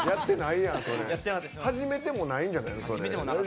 始めてもないんじゃない？